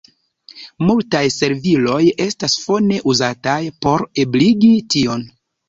Multaj serviloj estas fone uzataj por ebligi tion.